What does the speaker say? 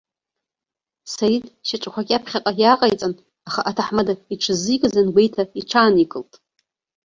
Саид шьаҿақәак иаԥхьаҟа иааҟаиҵан, аха аҭаҳмада иҽыззикыз ангәеиҭа иҽааникылт.